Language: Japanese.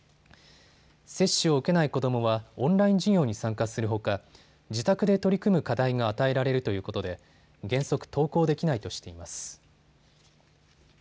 接種を受けない子どもはオンライン授業に参加するほか自宅で取り組む課題が与えられるということで原則、登校できないとしています。